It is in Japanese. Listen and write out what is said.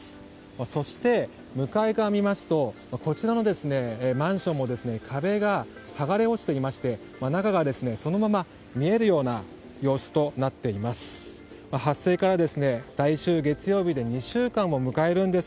そして、向かい側を見ますとこちらのマンションも壁が剥がれ落ちていまして中がそのまま見えるような様子となっています。